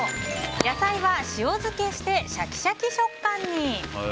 野菜は塩漬けしてシャキシャキ食感に！